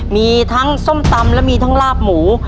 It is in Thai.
มีทั้งส้มตำและมีทั้งลาบหมู